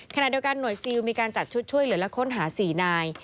ขณะเดียวกันหน่วยซิลมีการจัดชุดช่วยเหลือและค้นหา๔นาย